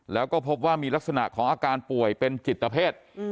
แล้วก็พบว่ามีลักษณะของอาการป่วยเป็นจิตเพศ